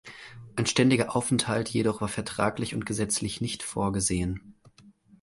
Ein ständiger Aufenthalt jedoch war vertraglich und gesetzlich nicht vorgesehen.